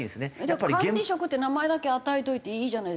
管理職って名前だけ与えておいていいじゃないですか。